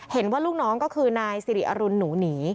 ลูกน้องก็คือนายสิริอรุณหนูหนี